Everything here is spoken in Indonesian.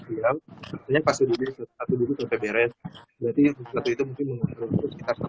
sebenarnya pas sudah diberes berarti itu mungkin mengusur sekitar satu tahun